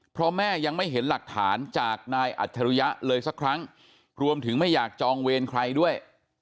เพราะแม่ยังไม่เห็นหลักฐานจากนายอัจฉริยะเลยสักครั้งรวมถึงไม่อยากจองเวรใครด้วย